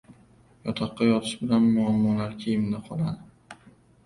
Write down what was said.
• Yotoqqa yotish bilan muammolar kiyimda qoladi.